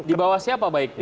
di bawah siapa baiknya